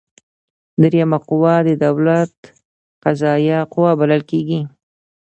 دریمه قوه د دولت قضاییه قوه بلل کیږي.